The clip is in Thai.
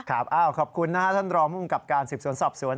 ครับขอบคุณนะครับท่านรอพรุ่งกับการสิบสวนสอบสวน